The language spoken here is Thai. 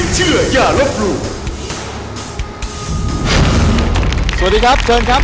สวัสดีครับเชิญครับ